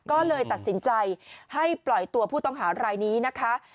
ก็เลยตัดสินใจให้ปล่อยตัวผู้ต้องหารายนี้นะคะ